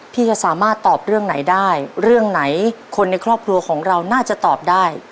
จะสามารถตอบเรื่องไหนได้เรื่องไหนคนในครอบครัวของเราน่าจะตอบได้